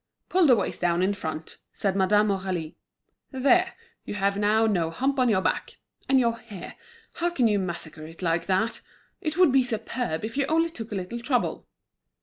"Pull the waist down in front," said Madame Aurélie. "There, you have now no hump on your back. And your hair, how can you massacre it like that? It would be superb, if you only took a little trouble."